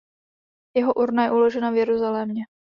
Jeho urna je uložena v Jeruzalémě.